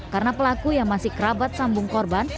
karena pelaku yang masih kerabat sambung korban